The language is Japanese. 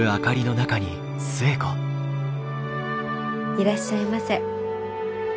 いらっしゃいませ。